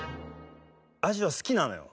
アジは好きなのよ。